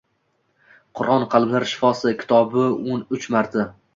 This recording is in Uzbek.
“Qur’on – qalblar shifosi” kitobi o'n uch marta